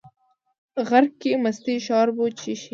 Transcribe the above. غرک کې مستې شاربو، چې شي